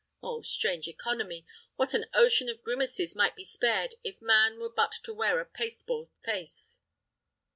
Oh, strange economy! What an ocean of grimaces might be spared if man were but to wear a pasteboard face!"